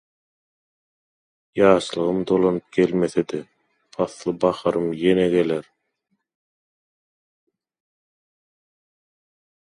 ýaşlygym dolanyp gelmese-de, pasly baharym ýene geler.